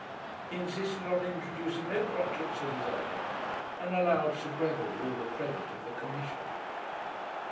He insisted on introducing no crotchets of his own, and allowed Sir Gregory all the credit of the Commission.